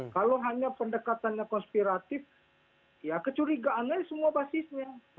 kalau hanya pendekatannya konspiratif ya kecurigaannya semua basisnya